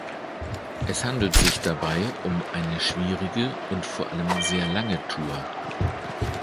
Es handelt sich dabei um eine schwierige und vor allem sehr lange Tour.